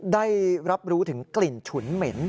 ได้รับรู้ถึงกลิ่นฉุนเหม็น